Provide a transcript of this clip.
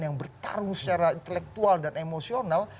yang bertarung secara intelektual dan emosional